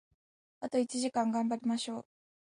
あと一時間、頑張りましょう！